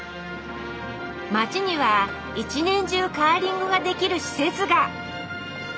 町には一年中カーリングができる施設が。